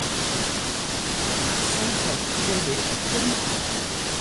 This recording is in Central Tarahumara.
¿Asáwisa che rʼe perí?